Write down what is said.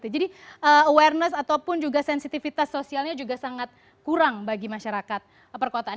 jadi awareness ataupun juga sensitivitas sosialnya juga sangat kurang bagi masyarakat perkotaan